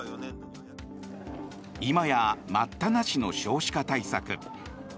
今や待ったなしの少子化対策。